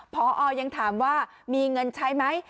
พอยังถามว่ามีเงินใช้ไหม